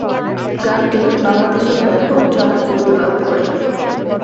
গানটি বাংলাদেশে ব্যপক জনপ্রিয়তা লাভ করে।